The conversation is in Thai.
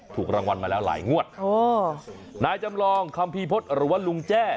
ถูกรางวัลมาแล้วหลายงวดโอ้นายจำลองคำพีพจรวรรณลุงแจ้